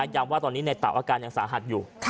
ว่าตอนนี้ในเต๋าอาการยังสาหัสอยู่